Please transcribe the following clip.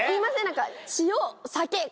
何か。